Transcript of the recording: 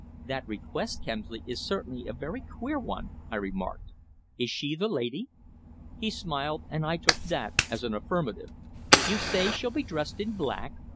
"That request, Kemsley, is certainly a very queer one," I remarked. "Is she the lady?" He smiled, and I took that as an affirmative. "You say she'll be dressed in black.